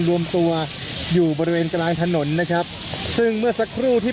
รวมตัวอยู่บริเวณกลางถนนนะครับซึ่งเมื่อสักครู่ที่